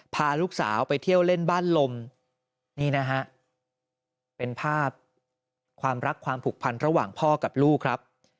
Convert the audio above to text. พาลูกสาวไปเที่ยวเล่นบ้านลมนี่นะฮะเป็นภาพความรักความผูกพันระหว่างพ่อกับลูกครับ